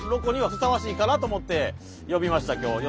ふさわしいかなと思って呼びました今日。